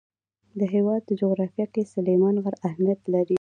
د هېواد جغرافیه کې سلیمان غر اهمیت لري.